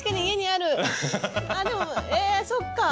あっでもえっそっか。